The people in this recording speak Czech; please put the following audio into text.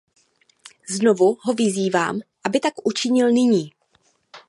Znovu ho vyzývám, aby tak učinil nyní.